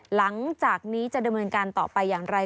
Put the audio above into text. หลังจากนี้จะดำเนินการต่อไปอย่างไร